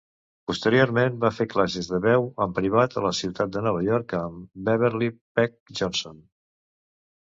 Posteriorment va fer classes de veu en privat a la ciutat de Nova York, amb Beverley Peck Johnson.